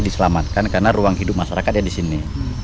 diselamatkan karena ruang hidup masyarakatnya di sini